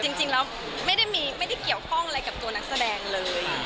จริงแล้วไม่ได้เกี่ยวข้องอะไรกับตัวนักแสดงเลย